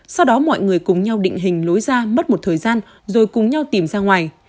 sau đó mọi người cùng nhau định hình lối ra mất một thời gian rồi cùng nhau tìm ra ngoài